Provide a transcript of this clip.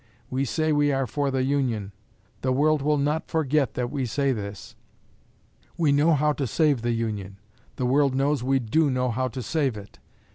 We say we are for the Union. The world will not forget that we say this. We know how to save the Union. The world knows we do know how to save it.